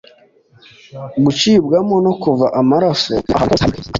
gucibwamo no kuva amaraso mu ahantu hose hari akenge